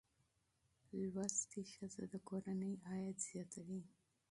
زده کړه ښځه د کورنۍ عاید زیاتوي.